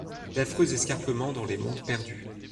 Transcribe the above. D’affreux escarpements dans des mondes perdus ;